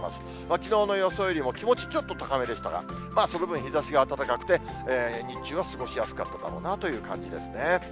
きのうの予想よりも気持ちちょっと高めでしたが、その分日ざしが暖かくて、日中は過ごしやすかっただろうなという感じですね。